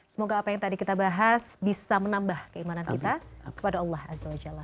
semoga apa yang tadi kita bahas bisa menambah keimanan kita kepada allah azza wa jalla